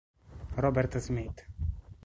Robert Smith